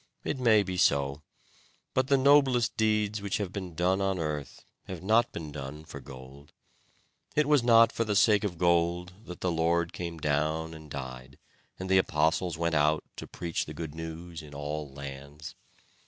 It may be so; but the noblest deeds which have been done on earth, have not been done for gold. It was not for the sake of gold that the Lord came down and died, and the Apostles went out to preach the good news in all lands.